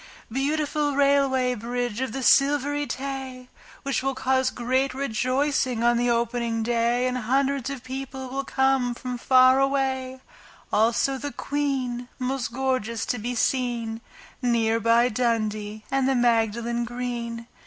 Beautiful Railway Bridge of the Silvery Tay ! Which will cause great rejoicing on the opening day And hundreds of people will come from far away, Also the Queen, most gorgeous to be seen, Near by Dundee and the Magdalen Green.